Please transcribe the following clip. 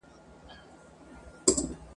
چي ړندې کي غبرګي سترګي د اغیارو !.